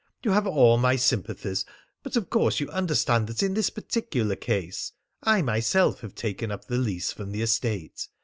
You have all my sympathies. But of course you understand that in this particular case.... I myself have taken up the lease from the estate.